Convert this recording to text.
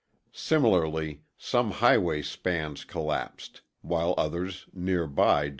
Similarly, some highway spans collapsed, while others nearby did not.